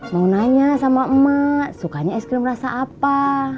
mau nanya sama emak sukanya es krim rasa apa